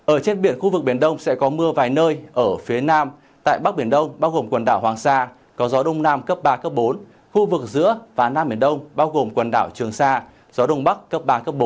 ở trên biển khu vực biển đông sẽ có mưa vài nơi ở phía nam tại bắc biển đông bao gồm quần đảo hoàng sa có gió đông nam cấp ba bốn khu vực giữa và nam biển đông bao gồm quần đảo trường sa gió đông bắc cấp ba bốn